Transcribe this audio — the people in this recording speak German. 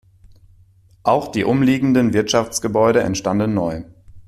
Auch die umliegenden Wirtschaftsgebäude entstanden neu.